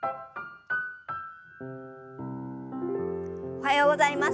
おはようございます。